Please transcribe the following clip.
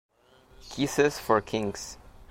Kisses for Kings